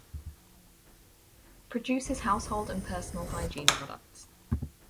Produces household and personal hygiene products.